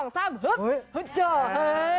เจอเฮ้ย